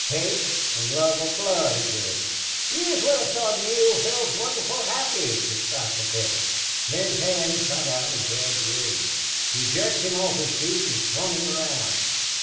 Hate an' love of blood it wor. Yez would hev thought Neale felt wonderful happy to sthop a bullet. "Thin his hand shot out an' grabbed Durade.... He jerked him off his feet an' swung him round.